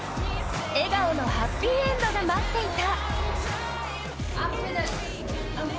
笑顔のハッピーエンドが待っていた。